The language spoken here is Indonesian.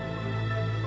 mereka pindah exceptional